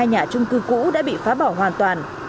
các nhà trung cư cũ đã bị khóa bỏ hoàn toàn